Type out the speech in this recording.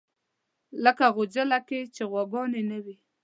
لکه غوجل کې چې غواګانې نه وي.